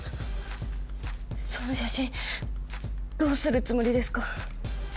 その写真どうするつもりですか？